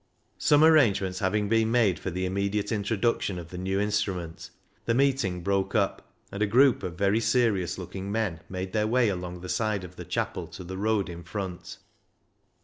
Some arrangements having been made for the immediate introduction of the new instru ment, the meeting broke up, and a group of very serious looking men made their way along the side of the chapel to the road in front.